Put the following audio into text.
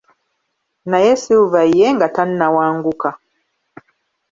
Naye Silver ye nga tannawanguka.